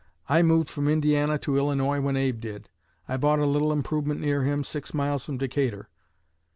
I moved from Indiana to Illinois when Abe did. I bought a little improvement near him, six miles from Decatur.